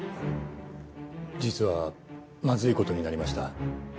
実はまずいことになりました。